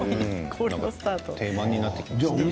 定番になってきましたね。